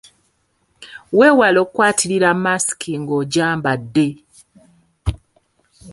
Weewale okukwatirira masiki ng’ogyambadde.